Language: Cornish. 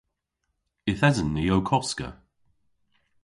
Yth esen ni ow koska.